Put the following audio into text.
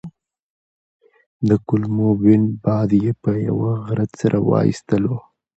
د کولمو بوین باد یې په یوه غرت سره وايستلو.